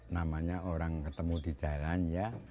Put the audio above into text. namanya orang ketemu di jalan ya